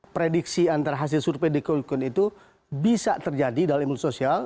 prediksi antara hasil survei di kuikon itu bisa terjadi dalam imun sosial